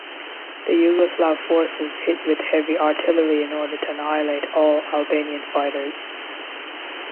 The Yugoslav forces hit with heavy artillery in order to annihilate all Albanian fighters.